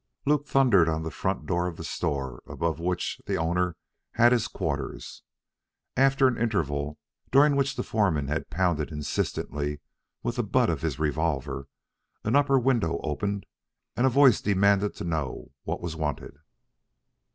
Luke thundered on the front door of the store, above which the owner had his quarters. After an interval, during which the foreman had pounded insistently with the butt of his revolver, an upper window opened and a voice demanded to know what was wanted.